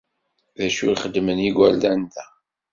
D acu xeddmen yigerdan-a da?